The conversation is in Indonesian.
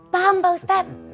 paham pak ustadz